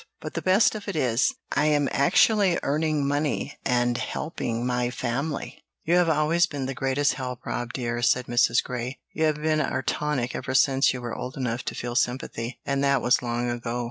But the best of it is, I am actually earning money and helping my family." "You have always been the greatest help, Rob dear," said Mrs. Grey. "You have been our tonic ever since you were old enough to feel sympathy, and that was long ago."